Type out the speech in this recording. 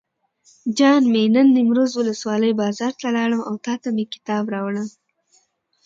جان مې نن نیمروز ولسوالۍ بازار ته لاړم او تاته مې کتاب راوړل.